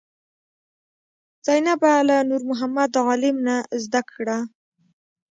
زینبه له نورمحمد عالم نه زده کړه.